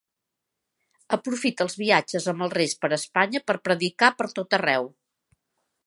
Aprofita els viatges amb els Reis per Espanya per predicar per tot arreu.